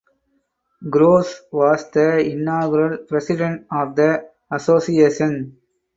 Groves was the inaugural president of the association.